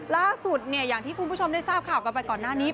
ล่าสุดเนี่ยอย่างที่คุณผู้ชมได้ทราบข่าวกันไปก่อนหน้านี้